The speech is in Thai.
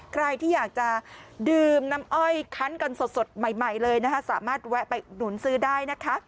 ใครที่อยากจะดื่มน้ำอ้อยคันกันสดใหม่เลยนะคะสามารถแวะไปอุดหนุนซื้อได้นะคะ